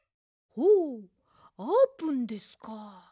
ほうあーぷんですか！